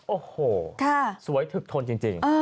โอ้โหสวยถึกทนจริง